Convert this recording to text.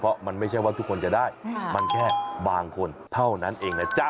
เพราะมันไม่ใช่ว่าทุกคนจะได้มันแค่บางคนเท่านั้นเองนะจ๊ะ